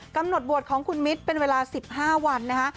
กำหนดบวชของคุณมิตรเป็นเวลา๑๕วันนะคะ